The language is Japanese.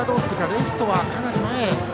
レフトはかなり前。